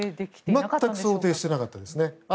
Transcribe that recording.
全く想定していなかったですね。